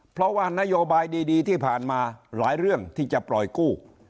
เพราะว่านโยบายดีที่ผ่านมาหลายเรื่องที่จะปล่อยกู้